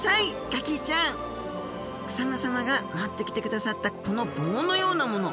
ガキィちゃん草間様が持ってきてくださったこの棒のようなもの。